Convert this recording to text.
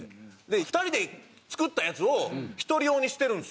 ２人で作ったやつを１人用にしてるんですよ。